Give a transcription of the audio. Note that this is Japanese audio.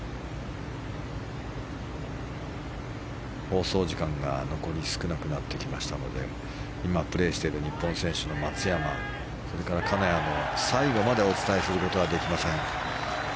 放送時間が残り少なくなってきましたので今、プレーしている日本選手の松山それから金谷の最後までお伝えすることはできません。